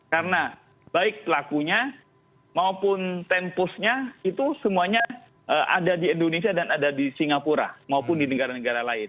karena baik pelakunya maupun tempusnya itu semuanya ada di indonesia dan ada di singapura maupun di negara negara lain